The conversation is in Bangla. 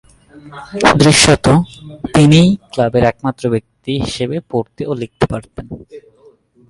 দৃশ্যতঃ তিনিই ক্লাবের একমাত্র ব্যক্তি হিসেবে পড়তে ও লিখতে পারতেন।